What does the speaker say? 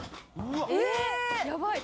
「えやばい。